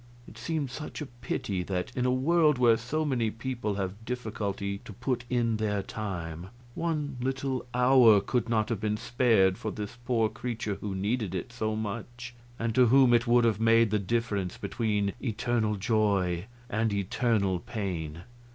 It seemed such a pity that in a world where so many people have difficulty to put in their time, one little hour could not have been spared for this poor creature who needed it so much, and to whom it would have made the difference between eternal joy and eternal pain.